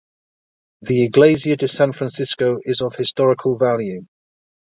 The Iglesia de San Francisco is of historical value.